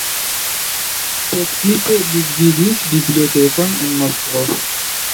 Precipe li gvidis bibliotekon en Moskvo.